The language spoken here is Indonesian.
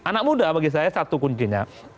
anak muda bagi saya satu kuncinya